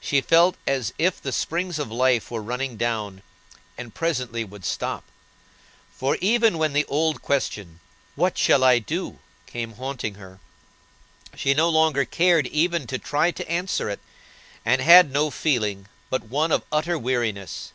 She felt as if the springs of life were running down, and presently would stop; for, even when the old question, "What shall I do?" came haunting her, she no longer cared even to try to answer it, and had no feeling but one of utter weariness.